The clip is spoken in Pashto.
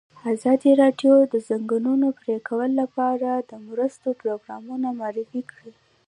ازادي راډیو د د ځنګلونو پرېکول لپاره د مرستو پروګرامونه معرفي کړي.